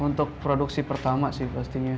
untuk produksi pertama sih pastinya